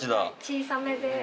小さめで。